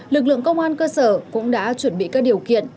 lực lượng công an cơ sở cũng đã chuẩn bị các điều kiện